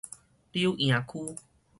柳營區